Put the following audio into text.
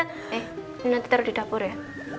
eh nanti taruh di dapur ya